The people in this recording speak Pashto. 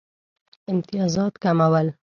امتیازات کمول.